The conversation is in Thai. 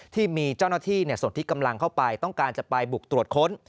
ที่มีเจ้าหน้าที่ส่วนที่กำลังเข้าไปต้องการจะไปบุกตรวจค้น